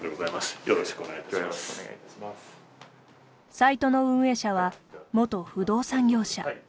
サイトの運営者は元不動産業者。